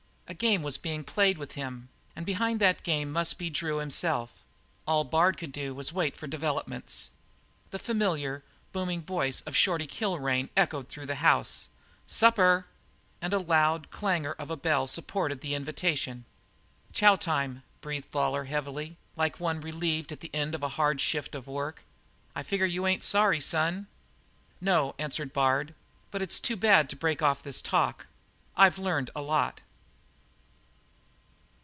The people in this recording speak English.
A game was being played with him, and behind that game must be Drew himself; all Bard could do was to wait for developments. The familiar, booming voice of Shorty Kilrain echoed through the house: "Supper!" And the loud clangour of a bell supported the invitation. "Chow time," breathed Lawlor heavily, like one relieved at the end of a hard shift of work. "I figure you ain't sorry, son?" "No," answered Bard, "but it's too bad to break off this talk. I've learned a lot."